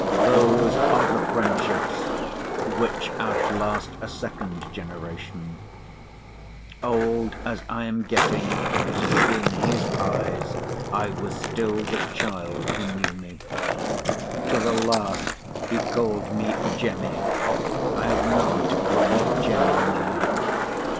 Those are the friendships, which outlast a second generation. Old as I am getting, in his eyes I was still the child he knew me. To the last he called me Jemmy. I have none to call me Jemmy now.